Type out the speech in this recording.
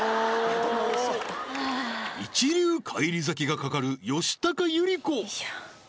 一流返り咲きが懸かる吉高由里子